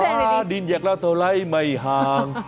ปราดินเนคละโทไรมัยห่าง